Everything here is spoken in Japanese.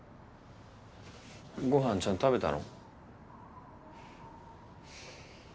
ご飯ちゃんと食べたの？